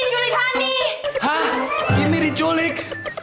hah kimi diculik